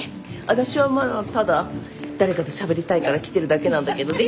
私はまぁただ誰かとしゃべりたいから来てるだけなんだけどね。